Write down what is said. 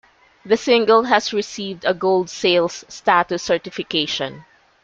The single has received a Gold sales status certification.